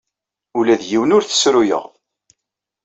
Ula d yiwen ur t-ssruyeɣ.